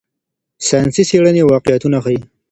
ساینسي څېړنې واقعیتونه ښيي.